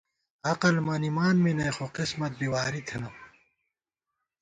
عقل مَنِمان می نئ ، خو قسمت بی واری تھنہ